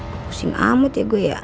gue pusing amat ya gue ya